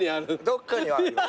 どっかにはあります。